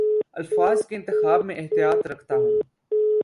الفاظ کے انتخاب میں احتیاط رکھتا ہوں